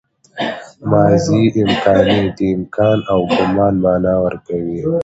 ماضي امکاني د امکان او ګومان مانا ورکوي.